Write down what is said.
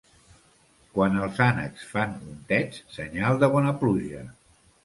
Quan els ànecs fan untets, senyal de bona pluja.